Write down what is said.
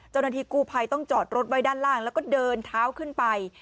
เจ้าหน้าที่กู้ภัยต้องจอดรถไว้ด้านล่างแล้วก็เดินเท้าขึ้นไป